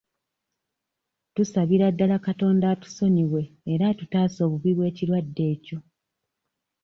Tusabira ddala Katonda atusonyiwe era atutaase obubi bw'ekirwadde ekyo.